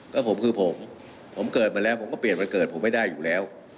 ก็ผมคือผมผมเกิดมาแล้วผมก็เปลี่ยนวันเกิดผมไม่ได้อยู่แล้ว